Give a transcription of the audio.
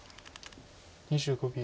２５秒。